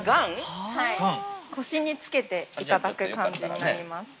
腰につけていただく感じになります。